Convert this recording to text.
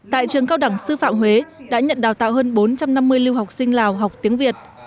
tại trường cao đẳng sư phạm huế đã nhận đào tạo hơn bốn trăm năm mươi lưu học sinh lào học tiếng việt